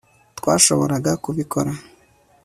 twashoboraga kubikora